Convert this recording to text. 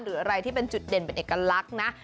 หรืออะไรที่เป็นจุดเด่นเป็นเอกลักษณ์นะ